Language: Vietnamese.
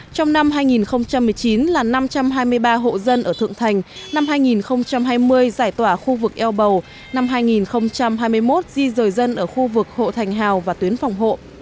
trong năm hai nghìn một mươi chín là năm trăm hai mươi ba hộ dân ở thượng thành năm hai nghìn hai mươi giải tỏa khu vực eo bầu năm hai nghìn hai mươi một di rời dân ở khu vực hộ thành hào và tuyến phòng hộ